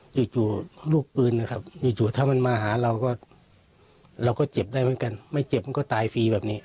อยู่ลูกปืนนะครับจู่ถ้ามันมาหาเราก็เราก็เจ็บได้เหมือนกันไม่เจ็บมันก็ตายฟรีแบบนี้